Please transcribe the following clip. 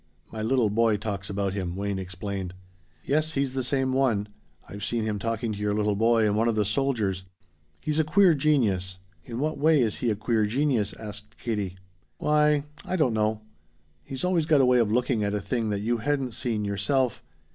"My little boy talks about him," Wayne explained. "Yes, he's the same one. I've seen him talking to your little boy and one of the soldiers. He's a queer genius." "In what way is he a queer genius?" asked Katie. "Why I don't know. He's always got a way of looking at a thing that you hadn't seen yourself."